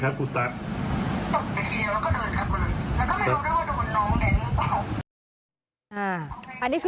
พี่ผู้หญิงให้อภัยนี่